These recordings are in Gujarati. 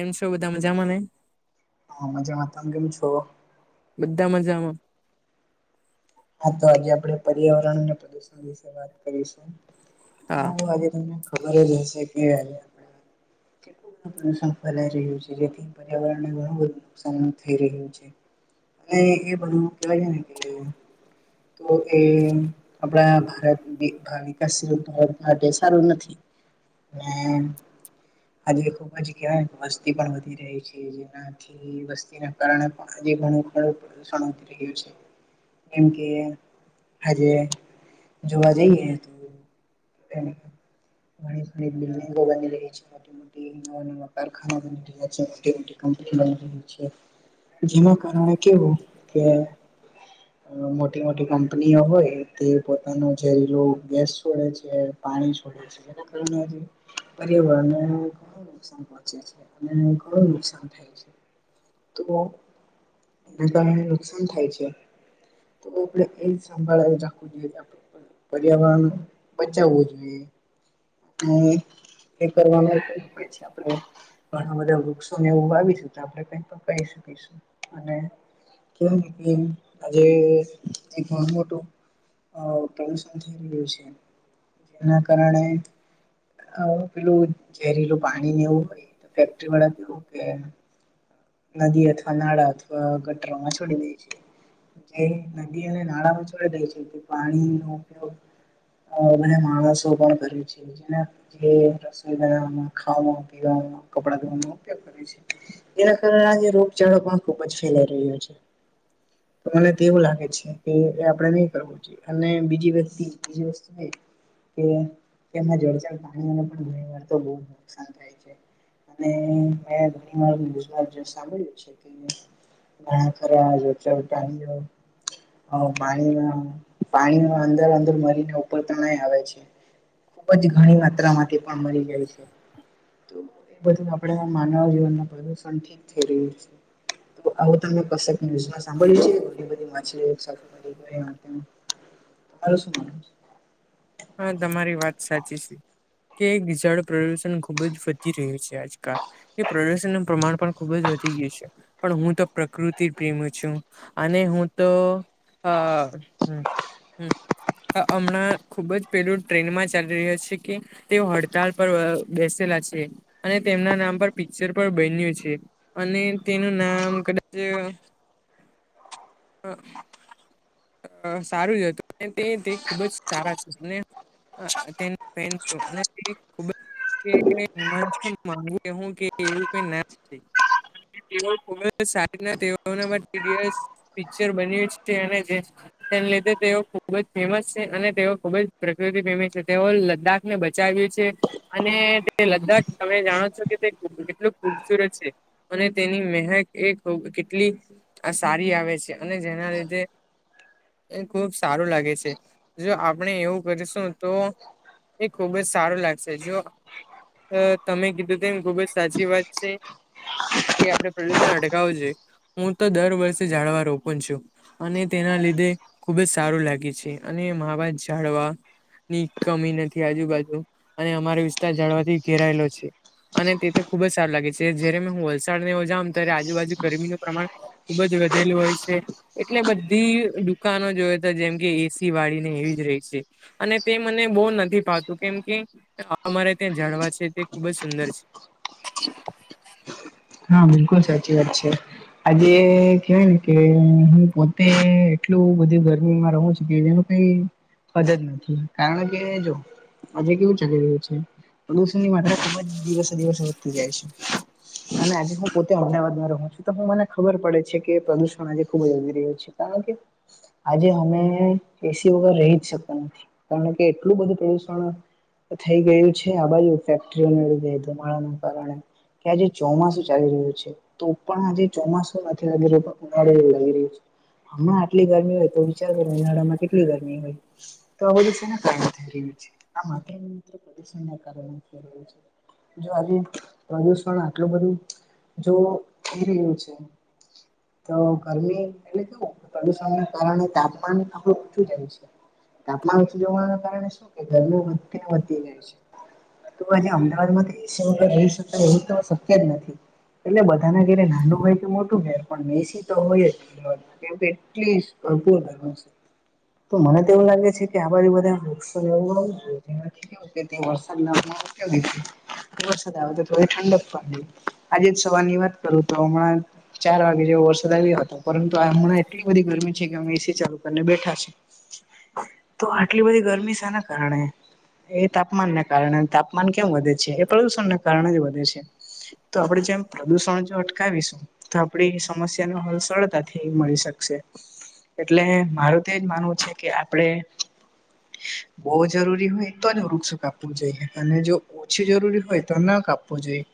એમ છોવિધા મજામાંને હા જાણતાને કેમે છો બધા મજામાં હા તો આજે આપડે પર્યાવરણ અને પ્રદુષણ વિશે વાત કરીશું તો હ હા આજે તમને ખબર જ હશે કે આજે આપણે કેટલું બધું પ્રદુષણ ફેલાઈ રહ્યું છે જેથી પર્યાવરણને ઘણું બધું નુકસાન થઈ રહ્યું છે એ એ બણ ક તો એ આપણા ભારત વિકાસીાર માટે સારું નથી. આજ ખુબ જ કેવાય વસ્તી પણ વધી રહી છે. વસ્તી ના કારણે પણજ ઘણું ઘડું પ્રદુણી રહ્યું છે. કેમ કે હજે જોવા જઈએ તો ગણી ગગની લ ન નવા કારખાના બની રહ્યા છે મોટી મોટી કંપની બની રહી છે જેના કારણે કેવું કે મોટી મોટી કંપનીઓ હોય તે પોતાનો ઝેરીલો ગેસ છોડે છે પાણી છોડે છે પર્યાવરણ ચ છે અનેણું નુકાન થાય છે તો એ કારને નુકસાન થાય છે તો આપણે એ સંભળ રાખવું જોઈએ પર્યાવરણ બચાવવું જોઈએ. એ કરવાનું હોય છે આપણે ઘણા બધા વૃક્ષો ને એવું આવી છે તો આપણે કઈ પણ કહી શકીશું. અને કઓકમ આજે એક ઘણું મોટું પ્રદૂષણ થઈ રહ્યું છે. એના કારણે હ પેલું ઝેરીલું પાણી વું હોય ફેક્ટરી વાળાવું કે નદી અથવા નાળા અથવા ગટરોમાં છોડી દે છે. જે નદી અને નાળામાં જોડી દે છે તે પાણીનોો ઉપયોગ હ ભ માણસ કોણ કરી છે. જે રસોઈ બનાવા ખાવા પીવાનું કપડા ધનું એના કારણે આજે રોગચાળો પણ ખુબ જ ફેલાઈ રહ્યો છે. તો મને તો એવું લાગે છે કે એ આપડે નહી કરવું. અને બીજી વસ્તી બીજી વસ્તુ કેમાં જળ જર પાણીને પણણી વા તો બહ નુકસાન થાય. મે ઘણી વારઝ સાંભળ્યું છે કે હ ખરાજ ચાલ ટ હ પાણીમાં પાણીમાં અંદર અંદર મરીને ઉપર તણય આવે છે. જ ઘણી માત્રામાંથી મારી જાય છે બું આપણે માનવ જીવન પ્રદુષણ ઠ આવું તમે કક ન્યઝ સાંભળ્યું છે ઘણી બધી માછલી તારું શું માનવું? હા તમારી વાત સાચી છે. કે જળ પ્રદુષણ ખુબ જ વધી રહ્યું છે આજકાલ. એ પ્રદૂષણ ન પ્રમાણ પણ ખુબ જ વધી ગય છે. પણ હું તો પ્રકૃતિ પ્રેમી છું અને હું તો અ હ હ હમણાં ખુબ જ પેલું ટ્રેન માં ચાલી રહ્યો છે કે તેઓ હડતાળ પર બેસેલા છે. અને તેમના નામ પર પિક્ચર પણ બન્યું છે. અને તેનું નામ કદાચ અ સારું હતું તે તે ખુબ જ સારા છે ને પે ખૂબ જ કે હમાં માનું કે હું કે એવું કઈ નામ છે. તે ખુબ જ સારી ના તેઓ માટે પિક્ચર બન્યું છે. તેને લીધે તેઓ ખુબ જ ફેમસ છે અને તેઓ ખુબ જ પ્રકૃતિ પ્રેમી છે તેઓ લદ્દાખ ને બચાવ્યું છે. અને તે લદ્દાખ તમે જાણો છો કે તે કેટલું ખુબસુરત છે. અને તેની મહેક એ કેટલી સારી આવે છે. અને જેના લીધે એ ખુબ સારું લાગે છે જો આપણે એવું કરીશું તો એ ખુબ જ સારું લાગશે જો તમે કીધું તો એમ ખુબ જ સાચ ચી વાત છે એ આપણે પ્રદુષણ અટકાવ જોયે. હું તો દર વર્ષે જાળવા રોપન છું. અને તેના લીધે ખુબ જ સારું લાગે છે અને માવા જાળવા ની કમી નથી આજુબાજુ અને અમારો વિસ્તાર જાળવાથી ઘેરાયેલો છે. અને તે તો ખુબ જ સારું લાગે છે જયારે મે હું વલસાડ ને જ ત્યારે આજુબાજુ ગરમીનું પ્રમાણ ખુબ જ વધેલું હોય છે. એટલે બધી દુકાનો જોવે તો જેમ કે એસી વાળી ને એવી જ રહી છે. અને તે મને બહુ નથી પાતું કેમ કે અમારે ત્યાં જાળવા છે તે ખુબ જ સુંદર છે. હા બિલકુલ સાચી વાત છે. આજે કેહેવાય ને કે હું પોતે એટલું બધું ગરમીમાં રહું છું કે [unintelligible] ને મદ જ નથી, કાણ કે જો આજે કેવું ચાલી રહ્યું છે, પ્રદુષણ ની માત્રા ખુબ જ દિવસે દિવસે વધતી જાય છે. અને આજે હું પોતે અમદાવાદમાં રહું છું તો હું મને ખબર પડે છે કે પ્રદુષણ આજે ખુબ જ વધી રહ્યું છે. કારણ કે આજે હમે કેસી વગર રહી જ શકતા નથી કારણ કે એટલું બધું પ્રદુષણ થઈ ગયું છે આ બાજુ ફેક્ટરીઓના લીધે ધમાણાનો કારણે ચોમાસું ચાલી રહ્યું છે, તો પણ આજે ચોમાસું નથી લાગી રહ્યું પણ ઉનાળવું લાગી રહ્યું છે. હમણાં આટલી ગરમી હોય તો વિચાર કરો ઉનાળામાં કેટલી ગરમી હોય? તો આ બધું સેના કારણે થઈ રહ્યું છે? આ માત્ર ને માત્ર પ્રદુણન ના કારણે થઈ રહ્યુ છે. જો આજે પ્રદૂષણ આ ટલું બધું જો થઈ રહ્યું છે, તો ગરમી એટલે કેવું પ્રદુષણનો કારણે તાપમાન આપડું ઓછું જાય છે. તાપમાન ઓછું જવાના કારણે શું કે ગરમી વધતી ને વધતી જાય છે. તો આજે અમદાવાદમાં તો એ સી રઈ શકાય એવું તો શક્ય જ નથી. એટલે બધાના ઘેરે નાનું હોય કે મોટું ઘેર પણ એ સી તો હોય જ. [unintelligible] કેમ કે એટલી [unintelligible] ગરમી છે તો મને તો એવું લાગે છે કે આ બાજુ બધાએ વૃક્ષો વાવવા જોઇએ એનાથી કેવું કે તે વરસાદ ન [unintelligible] વરસાદ આવે તો થોડી ઠંડક પામ્યું, આજે જ સવાર ની વાત કરું તો હમણાં ચાર વાગે જેવો વરસાદ આવ્યો હતો પરંતુ આ હમણાં એટલી બધી ગરમી છે કે અમે એ સી ચાલુ કરીને બેઠા છે. તો આટલી બધી ગરમી સેના કારણે? એ તાપમાનન ના કારણે અને તાપમાન કેમ વધે છે, એ પ્રદુષણના કારણે જ વધે છે. તો આપડે જેમ પ્રદુષણ જો અટકાવીશું તો આપડી સમસ્યાનો હલ સળતાથી મળી શકશે. એટલે મારું તો એ જ માનવું છે કે આપડે બો જરૂરી હોય તો જ વૃક્ષો કાપવું જોઈએ, અને જો ઓછી જરૂરી હોય તો ના કાપવો જોઈએ.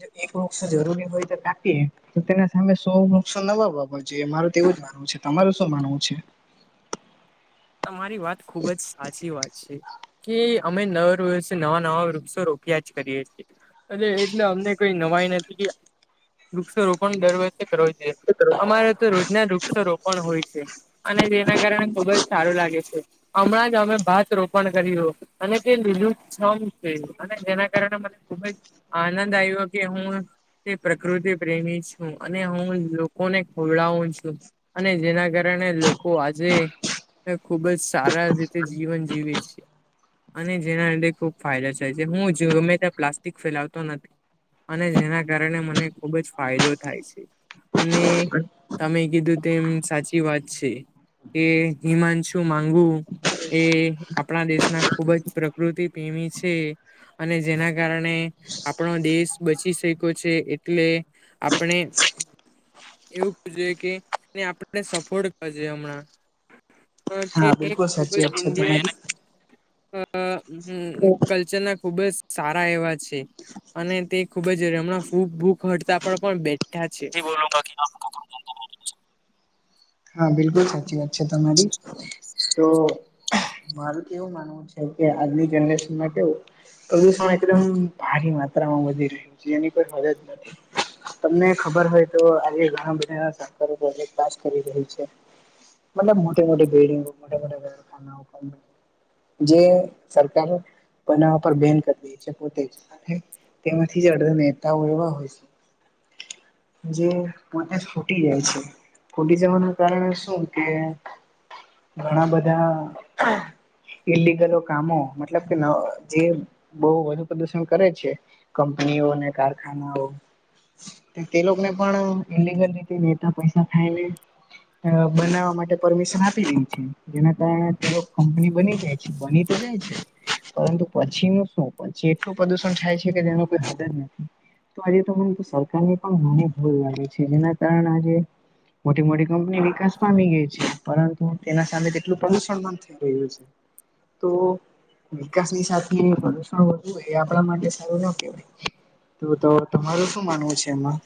જો એક વૃક્ષો જરૂરી હોય તો કાપીએ તો તેના સામે શો વૃસો નવા વાવો જોઈએ. મારું તો એવું જ માનવું છે. તમારુ શું માનવું છે? તમારી વાત ખુબ જ સાચી વાત છે. કે અમે નર વર્ષે નવા નવા વૃક્ષો રોપ્યા જ કરીએ છે. અને એટલે અમને કોઈ નવાઈ નથી વૃક્ષારોપણ દર વર્ષે કરવો જોયે, અમારે તો રોજના વૃક્ષો રોપણ હોય છે અને તેના કારણે ખુબ જ સારું લાગે છે. અમણાં જ અમે ભાત રોપણ કર્યું અને તે લીલુંછમ છે અને જેના કારણે મને ખુબ જ આનંદ આઈવો કે હું તે પ્રકૃતિ પ્રેમી છું અને હું લોકોને ખવડાવું છું. અને જેના કારણે લોકો આજે ને ખુબ જ સારા રીતે જીવન જીવી છી. અને જેના લીધે ખુબ ફાયદો જાય છે. હું જો ગમે ત્યાં પ્લાસ્ટિક ફેલાવતો નથી અને જેના કારણે મને ખુબ જ ફાયદો થાય છે. અને તમે કીધું તેમ સાચી વાત છે કે ઈમાં છું માંગુ. એ આપણા દેશના ખુબ જ પ્રકૃતિ પ્રેમી છે. અને જેના કારણે આપણો દેશ બચી શઈકો છે એટલે આપણે એવું જોયે કે તે આપણને સફળ કરજે હમણાં. અ સે હા એ એક બિલકુલ ખૂબ સાચી જ વાત છે તમારી. [unintelligible] અ ઉ ઉ કલ્ચર ના ખુબ જ સારા એવા છે. અને તે ખુબ જ રમણાં ફૂગ બૂગ હડતાલ પણ પણ બેઠા છે. હા બિલકુલ સાચી વાત છે તમારી, તો મારું તો એવું માનવું છે કે આજની જનરેશન મા કેવું પ્રદુષણ એકદમ ભારી માત્રામાં વધી રહ્યું છે એની કોઈ હદ જ નથી. તમને ખબર હોય તો આજે ઘણા બધા સરકારો ટ્રેન્ડર પાસ કરી રહી છે. મતલબ મોટી મોટી બિલ્ડિંગો મોટા મોટા કારખાનાઓ છે. જે સરકાર બનાવા પર બેન કરી રહી છે પોતે જ તેમાંથી જ અડધા નેતાઓ એવા હોય છે. જે પોતે જ ફૂટી જાય છે ફુટી જવાના કારણે શું કે, ઘણા બધા ઈલિગલો કામો મતલબ કે જે બહુ વધુ પ્રદુષણ કરે છે. કંપનીઓ ને કારખાનાઓ તે લોકોને પણ ઇલીગલ રીતે નેતા પૈસા ખાય ને અ બનાવવા માટે પરમિશન આપી ગય છે જેના કારણે તેઓ કંપની બની જાય છે બની બંને છે. પરંતુ પછીનું શું પછી એટલું પ્રદુષણ થાય છે કે તેનો કોઈ હદ જ નથી. તો આજે તો મને તો સરકારની પણ નાની ભૂલ લાગે છે જેના કારણે આજે મોટી મોટી કંપની વિકાસ પામી ગઈ છે પરંતુ તેના સામે તેટલું પ્રદુષણ પણ થઈ રહ્યું છે. તો વિકાસ ની સાથે પ્રદુષણ વધવું એ આપણા માટે સારું ના કેહેવાય. તો તો તમારું શું માનવું છે એમાં?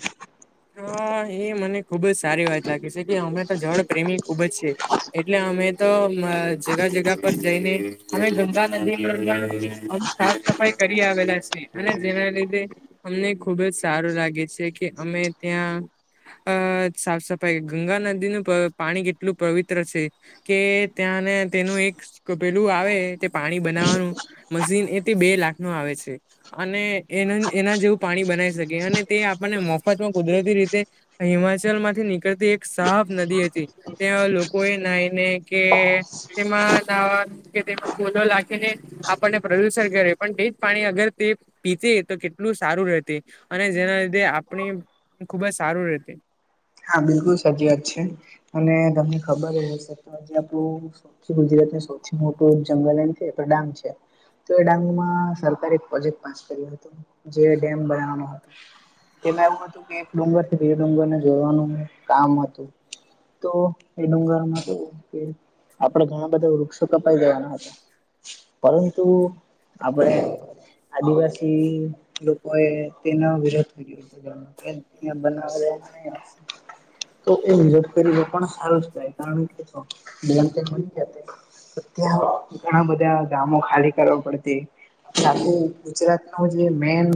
હા એ મને ખુબ જ સારી વાત લાગે છે કે અમે તો ઝાડ પ્રેમી ખૂબ જ છે એટલે અમે તો જગા જગા પર જઈને હમે ગંદા અમ સાફ સફાઈ કરી આવેલા છે. અને જેના લીધે અમને ખુબ જ સારું લાગે છે કે અમે ત્યાં અ સાફ સફાઈ ગંગા નદીનું પાણી કેટલું પવિત્ર છે. કે ત્યાંને તેનું એક પેલું આવે તે પાણી બનાવવાનું મશીન એ તે બે લાખ નું આવે છે. અને એ એના જેવું પાણી બનાવી શકે અને તે આપણને મફતમાં કુદરતી રીતે હિમાચલ માંથી નીકળતી એક સાફ નદી હતી. ત્યાં લોકો એ નાઈ ને કે તેમાં નાવા કે તેમાં ફૂલો લખે ને આપણને પ્રદુષણ કરે પણ તે જ પાણી અગર તે પીતે તો કેટલું સારું રહેતે. અને જેના લીધે આપણી ખુબ જ સારું રતી. હા બિલકુલ સાચી વાત છે અને તમને ખબર હ હ તોજી આપણું ગુજરાતને સૌથી મોટું જંગલ એ છે ડાંગ છે. તો એ ડાંગમાં સરકારે એક પ્રોજેક્ટ પાસ કર્યો હતો જે ડેમ બનાવાનો હતો. તેમાં એવું હતું કે એક ડુંગર બીજ ડુંગરને જોડવાનું કામ હતું. તો એ ડુંગર માં તો આપડે ઘણા બધા વૃક્ષો કપાઈ જવાના હતા. પરંતુ આપડે આદિવાસી લોકોએ તેનો વિરોધ કર્યો બના તો એ મજત કરી પણ સારો જ થાય કારણ કે ધની જ અત્યા ઘણા બધા ગામો ખાલી કરવા પડતી ખા ગુજરાત નું જે મેન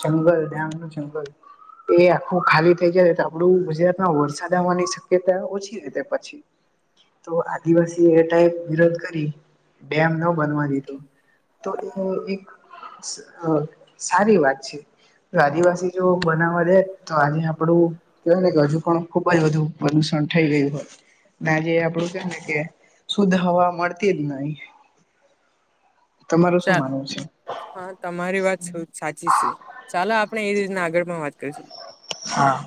જંગલ ડાંગ નું જંગલ એ આખું ખાલી થઈ જયા તો આપડું ગુજરાતમાં વરસાદ આવવાની શક્યતા ઓછી રતે પછી. તો આદિવાસી એ ટાઈ વિરોધ કરી ડેમ ન બનવા દીધો. તો એ એક સારી વાત છે. આદિવાસી જો બનાવવા દે તો આજે આપડું કવાય ને કે હજુ પણ ખુબ જ બધું પ્રદુષણ થઈ ગયું હોય. નેજે આપડું કે ને કે શુદ્ધ હવા મળતી જ નહી. તમારું શું ચાલ માનવું છે હા તમારી વાત સાચી છે ચાલો આપણે એ રીતના આગળમાં વાત કરીશું હા